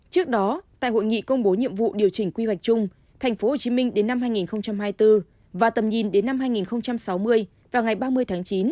trước đó tại hội nghị công bố nhiệm vụ điều chỉnh quy hoạch chung tp hcm đến năm hai nghìn hai mươi bốn và tầm nhìn đến năm hai nghìn sáu mươi và ngày ba mươi tháng chín